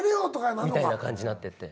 みたいな感じになってって。